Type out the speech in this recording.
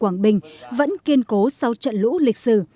quảng bình vẫn kiên cố sau trận lũ lịch sử